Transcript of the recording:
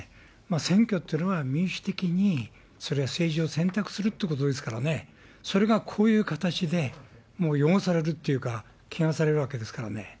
選挙っていうのは、民主的に、それは政治を選択するってことですからね、それがこういう形で汚されるっていうか、けがされるわけですからね。